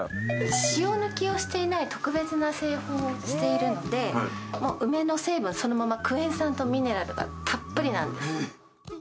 塩抜きをしていない特別な製法をしているので梅の成分そのままクエン酸とミネラルがたっぷりなんです。